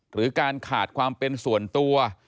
หรือการขาดความเป็นส่วนตัว